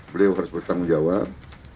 beliau harus bertanggung jawab